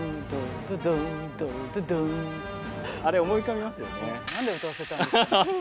あれ思い浮かびますよね。